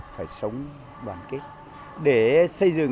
phải sống đoàn kết